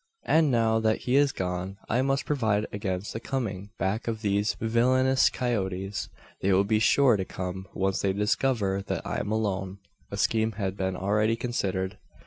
"And now, that he is gone, I must provide against the coming back of these villainous coyotes. They will be sure to come, once they discover that I'm alone." A scheme had been already considered.